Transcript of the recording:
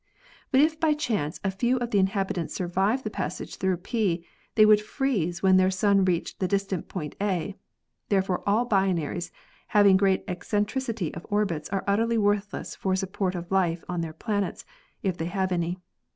But if by chance a few of the inhabitants survive the passage through P, they would freeze when their sun reached the distant point A." Therefore all binaries hav ing great eccentricity of orbits are utterly worthless for ' support of life on their planets if they have any.